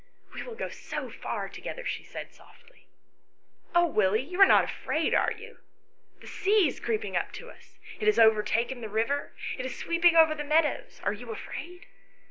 "We will go so far together," she said softly. " Oh, Willie, you are not afraid, are you ? The sea is creeping up to us. It has overtaken the river. It is sweeping over the meadows. Are you afraid?"